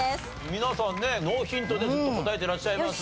皆さんねノーヒントでずっと答えてらっしゃいます。